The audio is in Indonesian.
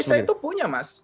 indonesia itu punya mas